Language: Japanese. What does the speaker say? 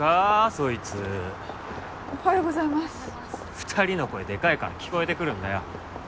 そいつおはようございますおはようございます２人の声でかいから聞こえてくるんだよ